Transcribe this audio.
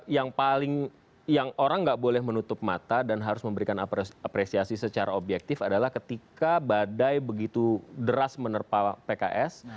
yang paling yang orang nggak boleh menutup mata dan harus memberikan apresiasi secara objektif adalah ketika badai begitu deras menerpa pks